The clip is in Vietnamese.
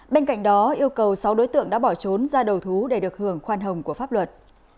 bên cạnh đó yêu cầu sáu đối tượng đã bỏ trốn ra đầu thú để được hưởng khoan hồng của pháp luật